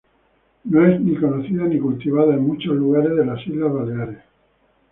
No es ni conocida ni cultivada en muchos lugares de las Islas Baleares.